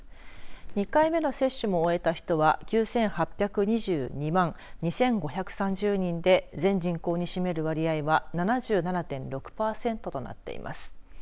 ２回目の接種も終えた人は９８２２万２５３０人で全人口に占める割合は７７．６パーセントとなっています。